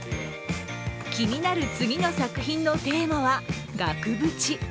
気になる次の作品のテーマは額縁。